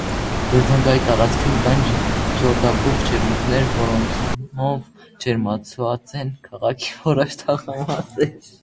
Երզնկայի տարածքին կան յորդաբուխ ջերմուկներ, որոնցմով ջերմացուած են քաղաքի որոշ թաղամասեր։